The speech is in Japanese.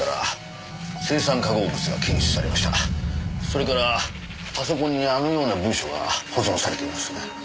それからパソコンにあのような文書が保存されています。